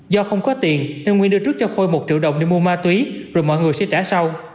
do không có tiền nên nguyên đưa trước cho khôi một triệu đồng để mua ma túy rồi mọi người sẽ trả sau